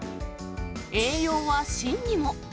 栄養は芯にも。